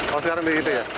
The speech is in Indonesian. oh sekarang begitu ya